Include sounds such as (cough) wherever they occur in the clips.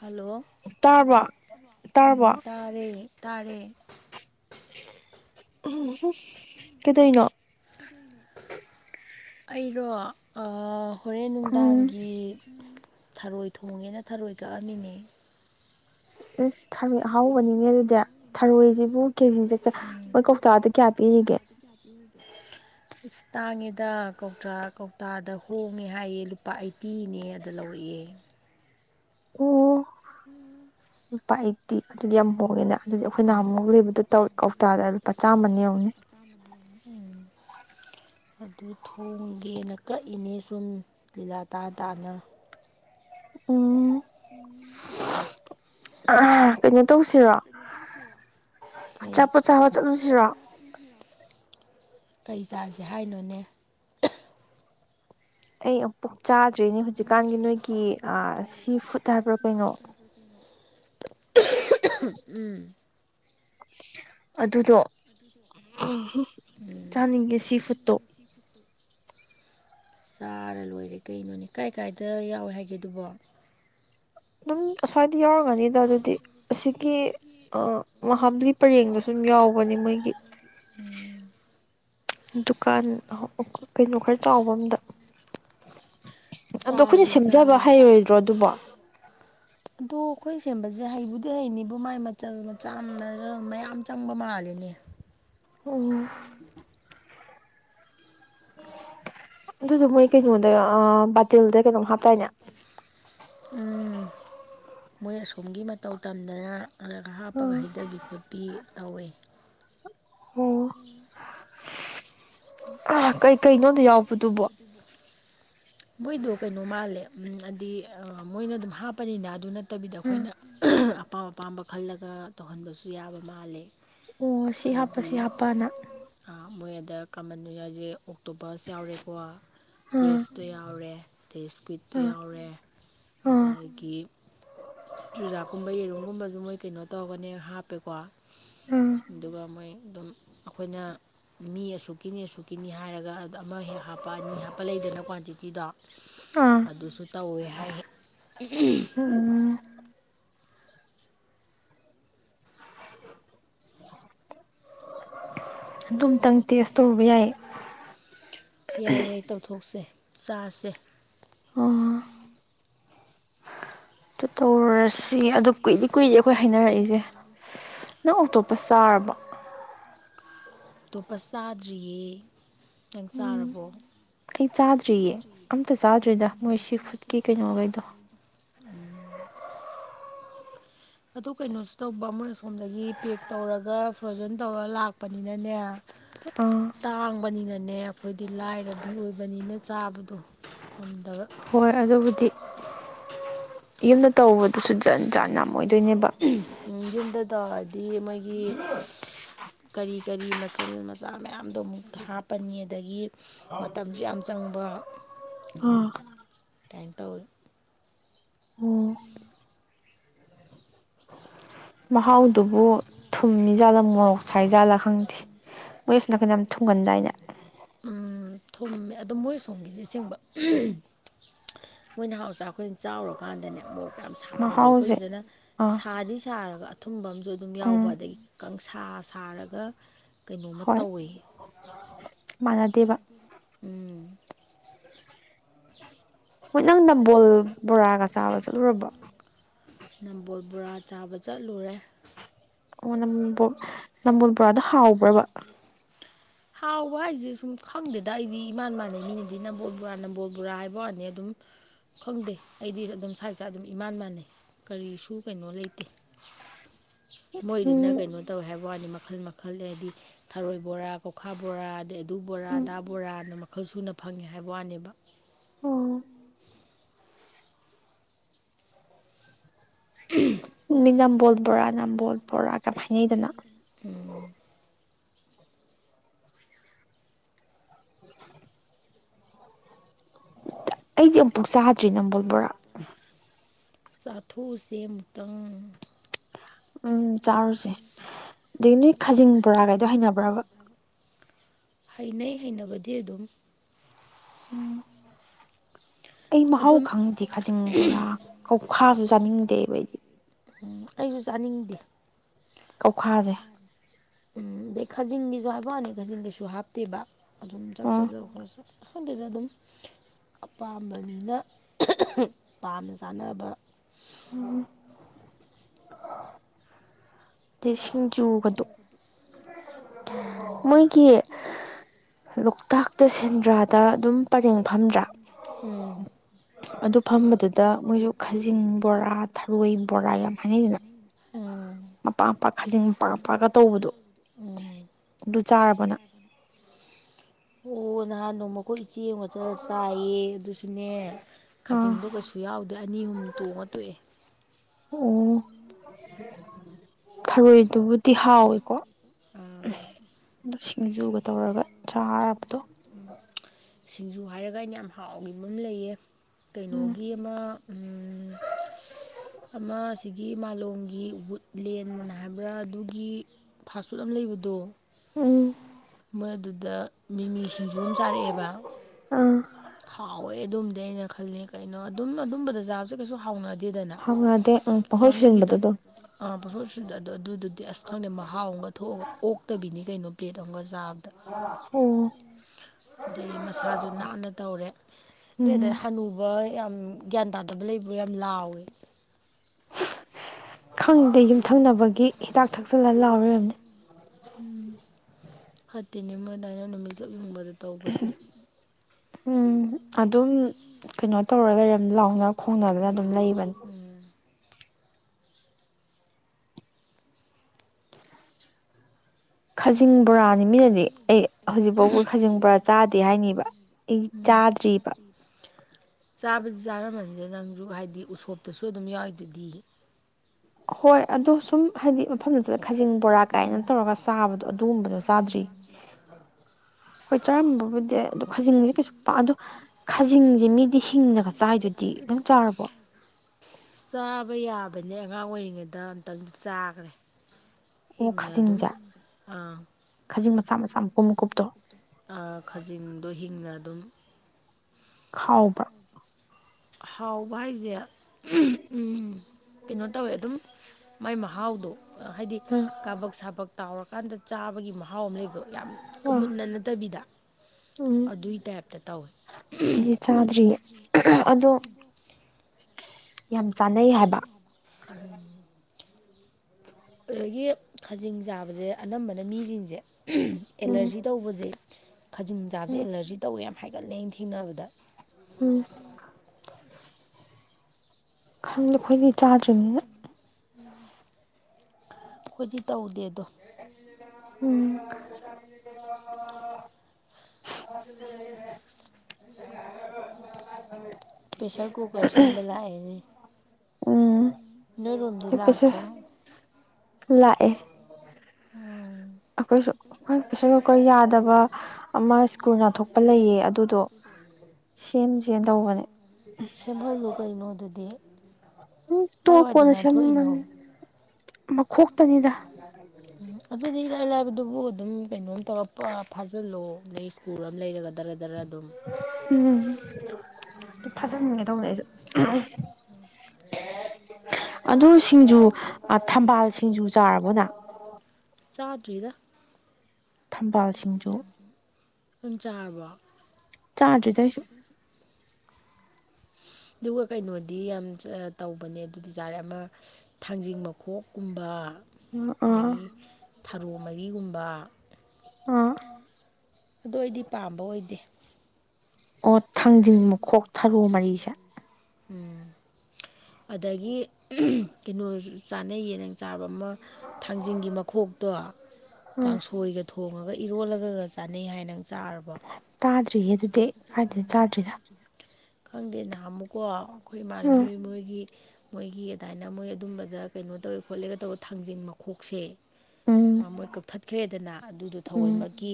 hello ꯇꯥꯔꯕ ꯇꯥꯔꯕꯣ ꯎꯝ ꯇꯥꯔꯦ ꯇꯥꯔꯦ (unintelligible) ꯀꯩꯗꯩꯅꯣ (unintelligible) ꯑꯩꯔꯣ ꯑꯥ ꯍꯣꯔꯦꯟ ꯎꯝ ꯅꯨꯡꯗꯥꯡꯒꯤ ꯊꯔꯣꯏ ꯊꯣꯡꯒꯦꯅ ꯊꯔꯣꯏ ꯀꯛꯑꯝꯃꯤꯅꯦ ꯑꯦꯁ ꯊꯔꯣꯏ ꯑꯍꯥꯎꯕꯅꯤꯅꯦ ꯑꯗꯨꯗꯤ ꯊꯔꯣꯏꯁꯤꯕꯨ ꯀꯦꯖꯤꯗꯒꯥ ꯃꯣꯏ ꯀꯣꯛꯇꯥꯗ ꯀꯌꯥ ꯄꯤꯔꯤꯒꯦ (unintelligible) ꯏꯁ ꯇꯥꯡꯉꯤꯗꯥ ꯀꯧꯇ꯭ꯔꯥ ꯀꯧꯇꯥꯗ ꯍꯣꯡꯉꯦ ꯍꯥꯏꯌꯦ ꯂꯨꯄꯥ ꯑꯩꯠꯇꯤꯅꯦ ꯑꯗ ꯂꯧꯔꯛꯑꯦ ꯑꯣ ꯂꯨꯄꯥ ꯑꯩꯠꯇꯤ ꯑꯗꯨꯗꯤ ꯌꯥꯝ ꯍꯣꯡꯉꯦꯅꯦ ꯑꯗꯨꯗꯤ ꯑꯩꯈꯣꯏ ꯅꯍꯥꯟꯃꯨꯛ ꯂꯩꯕꯗꯣ ꯇꯧꯋꯦ ꯀꯧꯇꯥꯗ ꯂꯨꯄꯥ ꯆꯥꯝꯃꯅꯤ ꯌꯦꯡꯉꯨꯅꯦ (unintelligible) ꯎꯝ ꯑꯗꯨ ꯊꯣꯡꯒꯦꯅ ꯀꯛꯏꯅꯦ ꯁꯨꯝ ꯂꯤꯂꯥ ꯇꯥ ꯇꯥꯅ ꯎꯝ (unintelligible) ꯑꯥ ꯀꯩꯅꯣ ꯇꯧꯁꯤꯔꯣ ꯁꯤꯔꯣ ꯑꯆꯥꯄꯣꯠ ꯆꯥꯕ ꯆꯠꯂꯨꯁꯤꯔꯣ (unintelligible) ꯀꯩ ꯆꯥꯁꯦ ꯍꯥꯏꯅꯣꯅꯦ ꯑꯩ ꯑꯝꯄꯨꯛ ꯆꯥꯗ꯭ꯔꯤꯅꯦ ꯍꯧꯖꯤꯛꯀꯥꯟꯒꯤ ꯅꯣꯏꯒꯤ ꯑꯥ ꯁꯤ ꯐꯨꯗ ꯍꯥꯏꯕ꯭ꯔꯥ ꯀꯩꯅꯣ (unintelligible) ꯎꯝ ꯑꯗꯨꯗꯣ ꯆꯥꯅꯤꯡꯉꯦ ꯁꯤ ꯐꯨꯠꯇꯣ (unintelligible) ꯆꯥꯔꯥ ꯂꯣꯏꯔꯦ ꯀꯩꯅꯣꯅꯤ ꯀꯥꯏ ꯀꯥꯏꯗ ꯌꯥꯎꯋꯦ ꯍꯥꯏꯒꯦ ꯑꯗꯨꯕꯣ ꯑꯗꯨꯝ ꯑꯁ꯭ꯋꯥꯏꯗ ꯌꯥꯎꯔꯝꯒꯅꯤꯗ ꯑꯗꯨꯗꯤ ꯑꯁꯤꯒꯤ ꯑꯥ ꯃꯍꯥꯕ꯭ꯂꯤ ꯄꯔꯦꯡꯗ ꯁꯨꯝ ꯌꯥꯎꯕꯅꯦ ꯃꯣꯏꯒꯤ ꯗꯨꯀꯥꯟ ꯀꯩꯅꯣ ꯈꯔ ꯆꯥꯎꯕ ꯑꯝꯗ ꯑꯗꯣ ꯑꯩꯈꯣꯏꯅ ꯆꯥꯔꯁꯦ ꯁꯦꯝꯖꯕ ꯆꯥꯔꯁꯦ ꯍꯩꯔꯣꯏꯗ꯭ꯔꯣ ꯑꯗꯨꯕꯣ ꯑꯗꯣ ꯑꯩꯈꯣꯏ ꯁꯦꯝꯕꯁꯦ ꯍꯩꯕꯨꯗꯤ ꯍꯩꯅꯤꯕꯨ ꯃꯥꯏ ꯃꯆꯜ ꯃꯆꯥ ꯃꯌꯥꯝ ꯆꯪꯕ ꯃꯥꯂꯦꯅꯦ ꯎꯝ ꯑꯗꯨꯗꯣ ꯃꯣꯏ ꯀꯩꯅꯣꯗ ꯕꯥꯇꯤꯜꯗ ꯀꯩꯅꯣꯝ ꯍꯥꯞꯇꯥꯏꯅꯦ ꯎꯝ ꯃꯣꯏ ꯑꯁꯣꯝꯒꯤ ꯃꯇꯧ ꯇꯝꯗꯅꯂꯒ ꯍꯥꯞꯄꯒ ꯑꯥ ꯍꯩꯊꯕꯤ ꯈꯣꯠꯄꯤ ꯇꯧꯋꯦ ꯑꯣ ꯑ ꯀꯩꯀꯩꯅꯣꯗ ꯌꯥꯎꯕꯗꯨꯕꯣ ꯏꯕꯨ ꯃꯣꯏꯗꯣ ꯀꯩꯅꯣ ꯃꯥꯜꯂꯦ ꯍꯥꯏꯗꯤ ꯃꯣꯏꯅ ꯑꯗꯨꯝ ꯍꯥꯞꯄꯅꯤꯅ ꯑꯗꯨ ꯅꯠꯇ ꯅꯠꯇꯕꯤꯗ ꯑꯥ ꯑꯩꯈꯣꯏꯅ ꯑꯄꯥꯝ ꯑꯄꯥꯝꯕ ꯈꯜꯂꯒ ꯇꯧꯍꯟꯕꯁꯨ ꯌꯥꯕ ꯃꯥꯜꯂꯦ ꯑꯣ ꯁꯤ ꯍꯥꯞꯄ ꯍꯥꯏꯖꯤ ꯁꯤ ꯍꯥꯞꯄꯅ ꯃꯣꯏ ꯑꯗ ꯀꯃꯟ ꯑꯣꯏ ꯌꯥꯏꯁꯦ ꯑꯣꯛꯇꯣꯕꯁ ꯌꯥꯎꯔꯦꯀꯣ ꯑꯥ ꯒ꯭ꯔꯦꯐ ꯌꯥꯎꯔꯦ ꯇꯦꯁꯀ꯭ꯋꯤꯠꯇꯨ ꯑꯥ ꯌꯥꯎꯔꯦ ꯑꯥ ꯑꯗꯒꯤ ꯆꯨꯖꯥꯛꯀꯨꯝꯕ ꯌꯦꯔꯨꯝꯒꯨꯝꯕꯁꯨ ꯃꯣꯏ ꯑꯩꯣꯏ ꯀꯩꯅꯣ ꯇꯧꯔꯒꯅꯤ ꯍꯥꯞꯄꯦꯀꯣ ꯑꯥ ꯑꯗꯨꯒ ꯃꯣꯏ ꯑꯗꯨꯝ ꯑꯩꯈꯣꯏꯅ ꯃꯤ ꯑꯁꯨꯛꯀꯤꯅꯤ ꯑꯁꯨꯛꯀꯤꯅꯤ ꯍꯥꯏꯔꯒ ꯑꯃ ꯍꯦꯛ ꯍꯥꯞꯄ ꯑꯅꯤ ꯍꯥꯞꯄ ꯂꯩꯗꯅ ꯁꯤꯇꯤꯗꯣ ꯑꯥ ꯑꯗꯨꯁꯨ ꯇꯧꯋꯦ ꯍꯥꯏ ꯎꯝ ꯑꯗꯨꯝꯇꯪ ꯇꯦꯁ ꯇꯧꯔꯨꯕ ꯌꯥꯏ ꯌꯥꯌꯥꯏ ꯌꯥꯏ ꯇꯧꯊꯣꯛꯁꯦ ꯆꯥꯁꯦ ꯑꯣ ꯇꯧꯔꯦ ꯁꯤ ꯑꯗꯨ ꯀꯨꯏꯗꯤ ꯀꯨꯏꯗꯤ ꯑꯩꯈꯣꯏ ꯍꯥꯏꯅꯔꯛꯏꯁꯦ ꯅꯪ ꯑꯇꯣꯞꯄ ꯆꯥꯔꯕ ꯑꯇꯣꯞꯄ ꯆꯥꯗ꯭ꯔꯤꯌꯦ ꯅꯪ ꯎꯝ ꯆꯥꯔꯕꯣ ꯑꯩ ꯏ ꯆꯥꯗ꯭ꯔꯤꯌꯦ ꯆꯥꯖ ꯑꯝꯇ ꯏꯇ ꯆꯥꯗ꯭ꯔꯤꯗ ꯆꯥꯗ ꯃꯣꯏ ꯁꯤ ꯐꯨꯗꯀꯤ ꯀꯩꯅꯣꯈꯩꯗꯣ ꯑꯗꯨ ꯀꯩꯅꯣꯁꯨ ꯇꯧꯕ ꯑꯃꯣꯏ ꯑ ꯁꯁꯣꯝꯗꯒꯤ ꯄꯦꯛ ꯇꯧꯔꯒ ꯐ꯭ꯔꯣꯖꯟ ꯇꯧꯔ ꯂꯥꯛꯄꯅꯤ ꯏꯅꯅꯦ ꯑ ꯇꯥꯡꯕꯅꯤꯅꯅꯦ ꯑꯩꯈꯣꯏꯗꯤ ꯂꯥꯏꯔꯕꯤ ꯑꯣꯏꯕꯅꯤꯅ ꯆꯥꯕꯗꯣ ꯉꯝꯗꯕ ꯍꯣꯏ ꯑꯗꯨꯕꯨꯗꯤ ꯌꯨꯝꯗ ꯇꯧꯕꯗꯁꯨ ꯖꯟ ꯖꯥꯟ ꯌꯥꯝꯃꯣꯏꯗꯣꯏꯅꯦꯕ ꯌꯨꯝꯗ ꯇꯧꯑꯗꯤ ꯃꯣꯏꯒꯤ ꯀꯔꯤ ꯀꯔꯤ ꯃꯆꯜ ꯃꯆꯥ ꯃꯌꯥꯝꯗꯣ ꯑꯃꯨꯛ ꯍꯥꯞꯄꯅꯤ ꯑꯗꯒꯤ ꯃꯇꯝꯁꯨ ꯌꯥꯝ ꯆꯪꯕ ꯑꯥ ꯇꯦꯟ ꯇꯧ ꯎꯝ ꯃꯍꯥꯎꯗꯨꯕꯨ ꯊꯨꯝ ꯖꯥꯠꯂꯝ ꯉꯣꯔꯣꯛ ꯁꯥꯏ ꯖꯥꯜꯂꯥ ꯈꯪꯗꯦ ꯃꯣꯏꯁꯨ ꯅꯥꯀꯟ ꯌꯥꯝ ꯊꯨꯡꯒꯟꯗꯥꯏꯅꯦ ꯎ ꯊꯨꯝꯃꯦ ꯑꯗꯣ ꯃꯣꯏ ꯁꯣꯝꯒꯤꯁꯦ ꯑꯁꯦꯡꯕ ꯃꯣꯏ ꯅꯍꯥꯎ ꯆꯥꯛ ꯑꯩꯈꯣꯏꯅ ꯆꯥꯎꯔꯀꯥꯟꯗꯅꯦ ꯑꯃꯨꯛ ꯌꯥꯝ ꯁꯥꯕꯗꯣ ꯃꯍꯥꯎꯁꯦ ꯑꯩꯈꯣꯏꯒꯤꯖꯅ ꯑꯥ ꯁꯥꯗꯤ ꯁꯥꯔꯒ ꯑꯊꯨꯝꯕ ꯑꯃꯁꯝꯨ ꯑꯗꯨꯝ ꯌꯥꯎꯕ ꯎꯝ ꯑꯗꯒꯤ ꯁꯥ ꯁꯥꯔꯒ ꯀꯩꯅꯣꯝꯃ ꯇꯧꯋꯦ ꯃꯥꯅꯗꯦꯕ ꯍꯣꯏ ꯅꯪ ꯅꯝꯕꯣꯜ ꯕꯣꯔꯥꯒ ꯆꯥꯕ ꯆꯠꯂꯨꯔꯕ ꯅꯝꯕꯣꯜ ꯕꯣꯔꯥ ꯆꯥꯕ ꯆꯠꯂꯨꯔꯦ ꯑꯣ ꯅꯝꯕꯣꯜ ꯣꯔꯥꯗ ꯍꯥꯎꯕ꯭ꯔꯕ ꯍꯥꯎꯕ ꯍꯥꯏꯁꯦ ꯁꯨꯝ ꯈꯪꯗꯦꯗ ꯑꯩꯗꯤ ꯏꯃꯥꯟ ꯃꯥꯟꯅꯩ ꯃꯤꯅꯗꯤ ꯅꯝꯕꯣꯜ ꯕꯣꯔꯥ ꯅꯝꯕꯣꯜ ꯕꯣꯔꯥ ꯍꯥꯏꯕ ꯕꯅꯤ ꯑꯗꯨꯝ ꯈꯪꯗꯦ ꯑꯩꯗꯤ ꯑꯗꯨꯝ ꯁꯋꯥꯁ ꯑꯗꯨꯝ ꯏꯃꯥꯟ ꯃꯥꯟꯅꯩ ꯀꯔꯤꯁꯨ ꯀꯩꯅꯣ ꯂꯩꯇꯦ ꯃꯣꯏꯗꯨꯅ ꯎꯝ ꯀꯩꯅꯣ ꯇꯧꯋꯦ ꯍꯥꯏꯕ ꯋꯥꯅꯤ ꯃꯈꯜ ꯃꯈꯜ ꯍꯥꯏꯕꯗꯤ ꯊꯔꯣꯏ ꯕꯣꯔꯥ ꯑꯣꯈꯥ ꯕꯣꯔꯥ ꯑꯗꯩ ꯑꯗꯨ ꯕꯣꯔꯥ ꯎꯝ ꯗꯥ ꯕꯣꯔꯥꯅ ꯃꯈꯜ ꯁꯨꯅ ꯐꯪꯉꯦ ꯍꯥꯏꯕ ꯋꯥꯅꯦꯕ ꯑꯣ ꯑꯦ ꯃꯤ ꯅꯝꯕꯣꯜ ꯕꯣꯔꯥ ꯅꯝꯕꯣꯜ ꯕꯣꯔꯥ ꯀ ꯌꯥꯝ ꯍꯥꯏꯅꯩꯗꯅ ꯎꯝ ꯑꯩꯗꯤ ꯑꯃꯨꯛꯐꯥꯎ ꯆꯥꯗ꯭ꯔꯤ ꯅꯝꯕꯣꯜ ꯕꯣꯔꯥ ꯆꯥꯊꯣꯛꯎꯁꯦ ꯑꯃꯨꯛꯇꯪ ꯎꯝ ꯆꯥꯔꯨꯁꯦ ꯑꯗꯒꯤ ꯅꯣꯏ ꯈꯥꯖꯤꯡ ꯕꯣꯔꯥꯒꯩꯗꯣ ꯍꯩꯅꯕ꯭ꯔꯕ ꯍꯩꯅꯩ ꯍꯩꯅꯕꯗꯤ ꯑꯗꯨꯝ ꯎꯝ ꯑꯩ ꯃꯍꯥꯎ ꯑꯗꯨꯝ ꯈꯪꯗꯦ ꯈꯥꯖꯤꯡ ꯕꯣꯔꯥ ꯀꯧꯈꯥꯁꯨ ꯆꯥꯅꯤꯡꯗꯦꯕ ꯑꯩꯗꯤ ꯎꯝ ꯑꯩꯖꯨ ꯆꯥꯅꯤꯡꯗꯦ ꯀꯧꯈꯥꯁꯦ ꯎꯝ ꯑꯗꯩ ꯈꯥꯖꯤꯡꯒꯤꯁꯨ ꯍꯥꯏꯕ ꯋꯥꯅꯦ ꯈꯥꯖꯤꯡ ꯀꯩꯁꯨ ꯍꯥꯞꯇꯦꯕ ꯑꯗꯨꯝ ꯖꯞ ꯑꯣ ꯖꯞ ꯈꯪꯗꯦꯗ ꯑꯗꯨꯝ ꯑꯄꯥꯝꯕ ꯃꯤꯅ ꯄꯥꯝꯅ ꯆꯥꯅꯕ ꯇꯩ ꯁꯤꯡꯖꯨꯒꯗꯣ ꯎꯝ ꯃꯣꯏꯒꯤ ꯂꯣꯛꯇꯥꯛꯇ ꯁꯦꯟꯗ꯭ꯔꯥꯗ ꯑꯗꯨꯝ ꯄꯔꯦꯡ ꯐꯝꯗ꯭ꯔꯥ ꯎꯝ ꯑꯗꯨ ꯐꯝꯕꯗꯨꯗ ꯃꯣꯏꯖꯨ ꯈꯖꯤꯡ ꯕꯣꯔꯥ ꯊꯔꯣꯏ ꯕꯣꯔꯥ ꯌꯥꯝ ꯍꯥꯏꯅꯩꯗꯅ ꯎꯝ ꯃꯄꯥꯛ ꯃꯄꯥꯛ ꯈꯖꯤꯡ ꯃꯄꯥꯛꯄꯥꯛꯒ ꯇꯧꯕꯗꯣ ꯎꯝ ꯑꯗꯨ ꯆꯥꯔꯕꯅ ꯑꯣ ꯅꯍꯥꯟ ꯅꯣꯡꯃꯈꯣꯏ ꯏꯆꯦꯑꯝꯒ ꯆꯥꯏꯌꯦ ꯑꯗꯨꯁꯨꯅꯦ ꯑꯥ ꯈꯥꯖꯤꯡꯗꯣ ꯀꯩꯁꯨ ꯌꯥꯎꯗꯦ ꯑꯅꯤ ꯑꯍꯨꯝ ꯇꯣꯡꯉ ꯇꯣꯛꯑꯦ ꯑꯣ ꯊꯔꯣꯏꯗꯨꯕꯨꯗꯤ ꯍꯥꯎꯋꯤꯀꯣ ꯁꯤꯡꯖꯨꯒ ꯇꯧꯔꯒ ꯆꯔꯕꯗꯣ ꯁꯤꯡꯖꯨ ꯍꯥꯏꯔꯒ ꯑꯩꯅ ꯌꯥꯝ ꯍꯥꯎꯒꯤꯕ ꯑꯃ ꯂꯩꯌꯦ ꯎꯝ ꯀꯩꯅꯣꯒꯤ ꯑꯃ ꯑꯃ ꯑꯁꯤꯒꯤ ꯃꯥꯂꯣꯝꯒꯤ ꯋꯨꯠ ꯂꯦꯟ ꯍꯥꯏꯕ꯭ꯔꯥ ꯑꯗꯨꯒꯤ ꯐꯥꯁ ꯐꯨꯗ ꯑꯃ ꯂꯩꯕꯗꯣ ꯎꯝ ꯃꯣꯏꯑꯗꯨꯗ ꯃꯤꯃꯤ ꯁꯤꯡꯖꯨ ꯑꯃ ꯆꯥꯔꯛꯑꯦꯕ ꯑꯥ ꯍꯥꯎꯋꯦ ꯑꯗꯨꯝꯗꯤ ꯑꯩꯅ ꯈꯜꯂ ꯀꯩꯅꯣ ꯑꯗꯨꯝ ꯑꯗꯨꯝꯕꯗ ꯆꯥꯕꯁꯦ ꯀꯩꯁꯨ ꯍꯥꯎꯅ ꯗꯦꯗꯅ ꯍꯥꯎꯅꯗꯦ ꯎꯝ ꯄꯪꯍꯣꯏ ꯁꯨꯖꯤꯟꯕꯗꯣ ꯃꯃꯤꯡꯒꯤꯗ ꯑꯗꯨꯝ ꯑꯥ ꯄꯣꯁꯣꯔ ꯁꯗ ꯑꯗꯣ ꯑꯗꯨꯗꯨꯗꯤ ꯑꯁ ꯈꯪꯗꯦ ꯃꯍꯥꯎ ꯑꯃꯒ ꯊꯣꯛꯑꯒ ꯑꯣꯛꯇꯕꯤꯅꯤ ꯀꯩꯅꯣ ꯄ꯭ꯂꯦꯠ ꯑꯃꯒ ꯆꯥꯕ ꯑꫭ ꯄꯥꯁꯨ ꯅꯥꯟꯅ ꯇꯧꯔꯦ ꯅꫭꯏꯗꯥ ꯍꯅꯨ ꯌꯥꯝ ꯒ꯭ꯌꯥꯟ ꯇꯥꯗꯕ ꯂꯩꯕ꯭ꯔ ꯌꯥꯝ ꯂꯥꯎꯋꯦ ꯈꯪꯗꯦ ꯌꯨꯝꯊꯪꯅꯕꯒꯤ ꯍꯤꯗꯥꯛ ꯊꯛꯆꯜꯂ ꯂꯥꯎꯔꯤ ꯑꫭꯏꯔꯝꯅꯤ ꯎꯝ ꯐꯠꯇꯦꯅꯤ ꯃꯣꯏ ꯑꯗꯨꯏꯅ ꯅꯨꯃꯤꯠ ꯆꯨꯞ ꯌꯨꯡꯕꯗ ꯇꯧꯕꯁꯦ ꯎꯝ ꯑꯗꯨꯝ ꯀꯩꯅꯣ ꯇꯧꯔꯒ ꯌꯥꯝ ꯂꯥꯎꯅ ꯈꯣꯡꯅꯗꯅ ꯑꯗꯨꯝ ꯂꯩꯕ (unintelligible) ꯈꯖꯤꯡ ꯕꯣꯔꯥꯅꯤ ꯃꯤꯅꯗꯤ ꯑꯩ ꯍꯧꯖꯤꯛꯐꯥꯎꯕ ꯈꯖꯤꯡꯕꯔꯥ ꯆꯥꯗꯦ ꯍꯥꯏꯅꯤꯕ ꯑꯩ ꯆꯥꯗ꯭ꯔꯤꯕ ꯆꯥꯗꯤ ꯆꯥꯔꯝꯃꯅꯤꯅ ꯅꯪꯖꯨ ꯍꯥꯏꯗꯤ ꯎꯁꯣꯞꯇꯁꯨ ꯑꯗꯨꯝ ꯌꯥꯎꯏꯗꯨꯗꯤ ꯍꯣꯏ ꯑꯗꯣ ꯁꯨꯝ ꯍꯥꯏꯗꯤ ꯃꯐꯝꯁꯤꯗ ꯈꯖꯤꯡ ꯕꯣꯔꯥ ꯀꯥꯏꯅ ꯇꯧꯔꯒ ꯆꯥꯕꯗꯣ ꯑꯗꯨꯒꯨꯝꯕꯗꯣ ꯆꯥꯗ꯭ꯔꯤ ꯍꯣꯏ ꯆꯥꯔꯝꯕꯕꯨꯗꯤ ꯑꯗꯣ ꯈꯖꯤꯡꯁꯦ ꯀꯩꯁꯨ ꯄꯥꯛ ꯑꯗꯣ ꯈꯖꯤꯡꯁꯦ ꯃꯤꯗꯤ ꯍꯤꯡꯅꯒ ꯆꯥꯏꯗꯨꯗꯤ ꯑꯗꯨ ꯆꯥꯔꯕꯣ ꯆꯥꯕ ꯌꯥꯕꯅꯦ ꯑꯉꯥꯡ ꯑꯣꯏꯔꯤꯉꯩꯗ ꯑꯝꯇꯪ ꯆꯥꯒꯔꯦ ꯑꯣ ꯍꯤꯡꯅ ꯑꯗꯨꯝ ꯈꯥꯖꯤꯡꯁꯦ ꯑꯥ ꯈꯥꯖꯤꯡ ꯃꯆꯥ ꯃꯆꯥ ꯃꯀꯨꯞ ꯃꯀꯨꯞꯇꯣ ꯑꯥ ꯈꯖꯤꯡꯗꯣ ꯍꯤꯡꯅ ꯑꯗꯨꯝ (inaudible) ꯈꯥꯎꯕ꯭ꯔꫭ ꯍꯥꯎꯕ ꯍꯥꯏꯖꯦ ꯀꯩꯅꯣ ꯇꯧꯋꯦ ꯑꯗꯨꯝ ꯃꯥꯏ ꯃꯍꯥꯎꯗꯣ ꯍꯥꯏꯗꯤ ꯀꯥꯕꯛ ꯁꯥꯕꯛ ꯇꯥꯎꯔꯀꯥꯟꯗ ꯆꯥꯕꯒꯤ ꯃꯍꯥꯎ ꯑꯃ ꯂꯩꯕꯗꯣ ꯌꯥꯝ ꯃꯨꯟꯅ ꯅꯠꯇꯕꯤꯗ ꯎꯝ ꯑꯗꯨꯏ ꯇꯥꯏꯞꯇ ꯇꯧꯋꯦ ꯑꯩꯗꯤ ꯆꯥꯗ꯭ꯔꯤ ꯑꯗꯣ ꯌꯥꯝ ꯂꯝ ꯆꯥꯅꯩ ꯆꯥꯅ ꯍꯥꯏꯕ ꯌꯥꯕ ꯎ ꯑꯗꯒꯤ ꯈꯖꯤꯡ ꯆꯥꯕꯁꯦ ꯑꯅꯝꯕꯅ ꯃꯤꯁꯤꯡꯁꯦ ꯎꯝ ꯑꯦꯂ꯭ꯔꯖꯤ ꯇꯧꯕꯖꯦ ꯈꯖꯤꯡ ꯆꯥꯕꯖꯦ ꯑꯦꯂ꯭ꯔꯖꯤ ꯇꯧꯋꯦ ꯌꯥꯝ ꯍꯥꯏꯒꯟꯂꯦ ꯑꯩꯟ ꯊꯦꯡꯅꯕꯗ ꯎꯝ ꯈꯪꯗꯦ ꯑꯩꯈꯣꯏꯗꯤ ꯆꯥꯗ꯭ꯔꯤꯝꯅꯤꯅ ꯈꯣꯏꯗꯤ ꯇꯧꯗꯦ ꯑꯗꯣ (unintelligible) ꯎꯝ ꯄ꯭ꯔꯦꯁꯔ ꯀꯨꯀꯔ ꯁꯦꯝꯕ ꯂꯥꯛꯑꯦꯅꯦ ꯅꯣꯏꯔꯣꯝꯗꯤ ꯂꯥꯛꯇ꯭ꯔꯣ (unintelligible) ꯂꯥꯛꯑꯦ ꯎꯝ ꯑꯩꯈꯣꯏꯁꯨ ꯑꯩꯈꯣꯏ ꯄ꯭ꯔꯦꯁꯔ ꯀꯨꯀ꯭ꯔ ꯌꯥꯗꯕ ꯑꯃ ꯁꯀ꯭ꯔꯨ ꯅꯥꯟꯊꯣꯛꯄ ꯂꯩꯌꯦ ꯑꯗꯨꯗꯣ ꯁꯦꯝ ꯖꯦꯅ ꯇꯧꯕꯅꯦ ꯁꯦꯝꯍꯜꯂꯨ ꯀꯩꯅꯣ ꯑꯗꯨꯗꯤ ꯑꯝ ꯇꯣꯑꯣ ꯀꯥꯏꯋꯥꯏꯗ ꯀꯣꯟꯅꯁꯦꯃ ꯅꯥꯟꯊꯣꯛꯏꯅꯣ ꯃꯈꯣꯛꯇꯅꯤꯗ ꯎꯝ ꯑꯗꯨꯗꯤ ꯏꯔꯥꯏ ꯂꯥꯏꯕꯗꯨꯕꯨ ꯑꯗꯨꯝ ꯀꯩꯅꯣꯝ ꯇꯧꯔꯛꯄ ꯐꯥꯖꯜꯂꯣ ꯂꯩ ꯁꯀ꯭ꯔꯨ ꯑꯃ ꯂꯩꯔꯒ ꯗꯔꯗꯔ ꯑꯗꯨꯝ ꯎꯝ ꯐꯖꯟꯒꯦ ꯇꯧꯕꯅꯦ ꯑꯩꯖꯨ ꯑꯗꯨ ꯁꯤꯡꯖꯨ ꯊꯝꯕꯥꯜ ꯁꯤꯡꯖꯨ ꯆꯥꯔꯕꯣ ꯅꯥꯡ ꯆꯥꯗ꯭ꯔꯤꯗ ꯊꯝꯕꯥꯜ ꯁꯤꯡꯖꯨ ꯅꯪ ꯆꯥꯔꯕꯣ ꯆꯥꯗ꯭ꯔꯤꯗ ꯑꯩꯁꯨ ꯑꯗꯨꯒ ꯀꯩꯅꯣꯗꯤ ꯌꯥꯝ ꯇꯧꯕꯅꯦ ꯑꯗꯨꯗꯤ ꯆꯥꯔꯦ ꯑꯃ ꯊꯥꯡꯖꯤꯡ ꯃꯈꯣꯛꯀꯨꯝꯕ ꯑꯥ ꯑꯗꯒꯤ ꯊꯔꯣ ꯃꯔꯤꯒꯨꯝꯕ ꯑ ꯑꯗꯨ ꯑꯩꯗꯤ ꯄꯥꯝꯕ ꯑꯣꯏꯗꯦ ꯑꯣ ꯊꯥꯡꯖꯤꯡ ꯃꯈꯣꯛ ꯊꯔꯣ ꯃꯔꯤꯁꯦ ꯎꯝ ꯑꯗꯒꯤ ꯀꯩꯅꯣ ꯖꯨ ꯆꯥꯅꯩꯌꯦ ꯅꯪ ꯆꯥꯕ ꯑꯃ ꯊꯥꯡꯖꯤꯡꯒꯤ ꯃꯈꯣꯛꯇꯣ ꯎꯝ ꯀꯥꯡꯁꯣꯏꯒ ꯊꯣꯡꯉꯒ ꯏꯔꯣꯜꯂꯒꯒ ꯆꯥꯅꯩ ꯍꯥꯏ ꯅꯪ ꯆꯥꯔꯕ ꯇꯥꯗ꯭ꯔꯤꯍꯦ ꯑꯗꯨꯗꯤ ꯑꯩ ꯀꯥꯏꯗꯩ ꯆꯥꯗ꯭ꯔꯤꯗ ꯈꯪꯗꯦ ꯅꯍꯥꯝꯃꯨꯛꯀꯣ ꯈꯣꯏ ꯏꯃꯥꯟꯅꯕꯤ ꯎꯝ ꯃꯣꯏꯒꯤ ꯃꯣꯏꯒꯤ ꯑꯗꯥꯏꯅ ꯃꯣꯏ ꯑꯗꯨꯝꯕꯗ ꯀꯩꯅꯣ ꯇꯧꯋꯦ ꯈꯣꯠꯂꯦꯒ ꯇꯧꯕ ꯊꯥꯡꯖꯤꯡ ꯃꯈꯣꯛꯁꯦ ꯎꯝ ꯃꯣꯏ ꯀꯛꯊꯠꯈ꯭ꯔꯦꯗꯅ ꯑꯗꯨꯗꯣ ꯎꯝ ꯊꯋꯣꯏꯃꯛꯀꯤ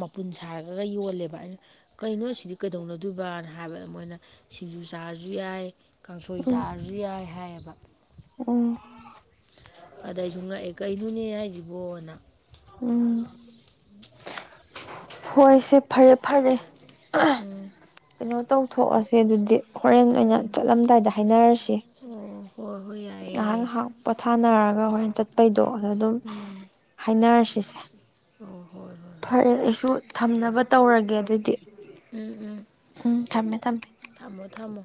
ꯃꯄꯨꯟ ꯁꯥꯔꯒꯒ ꯌꯣꯜꯂꯦꯕ ꯑꯩꯅ ꯀꯩꯅꯣ ꯑꯁꯤꯗꯤ ꯀꯩꯗꯧꯅꯗꯣꯏꯕꯅ ꯍꯥꯏꯕ ꯑꯗ ꯃꯣꯏꯅ ꯁꯤꯡꯖꯨ ꯆꯥꯔꯖꯨ ꯌꯥꯏ ꯀꯥꯡꯁꯣꯏ ꯎꯝ ꯆꯥꯔꯖꯨ ꯌꯥꯏ ꯍꯥꯏꯌꯦꯕ ꯎꯝ ꯑꯗ ꯑꯩꯖꯨ ꯉꯛꯑꯦ ꯀꯩꯅꯣꯅꯦ ꯍꯩꯖꯤꯕꯣꯅ ꯎꯝ ꯍꯣꯏꯁꯦ ꯐꯔꯦ ꯐꯔꯦ ꯎꯝ ꯀꯩꯅꯣ ꯇꯧꯊꯣꯛꯑꯁꯦ ꯑꯗꯨꯗꯤ ꯍꯣꯔꯦꯟ ꯑꯣꯏꯅ ꯆꯠꯂꯝꯗꯥꯏꯗ ꯍꯥꯏꯅꯔꯁꯤ ꯑꯣ ꯍꯣꯏ ꯍꯣꯏ ꯌꯥꯏꯌꯦ ꯉꯍꯥꯛ ꯌꯥꯏꯌꯦ ꯉꯍꯥꯛ ꯄꯣꯊꯥꯅꯔꯒ ꯍꯣꯔꯦꯟ ꯆꯠꯄꯩꯗꯣ ꯑꯗ ꯑꯗꯨꯝ ꯎꯝ ꯍꯥꯏꯅꯔꯁꯤꯁꯦ ꯑꯣ ꯍꯣꯏ ꯍꯣꯏ ꯍꯣꯏ ꯐꯔꯦ ꯑꯩꯁꯨ ꯊꯝꯅꯕ ꯇꯧꯔꯒꯦ ꯑꯗꯨꯗꯤ ꯑꯝ ꯑꯝ ꯎꯝ ꯊꯝꯃꯦ ꯊꯝꯃꯦ ꯊꯝꯃꯣ ꯊꯝꯃꯣ